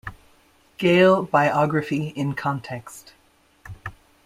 "Gale Biography In Context".